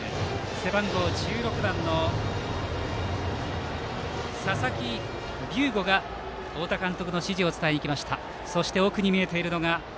背番号１６番の佐々木龍吾が太田監督の指示を伝えにいきました。